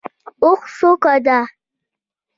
اوښ څوکه ده.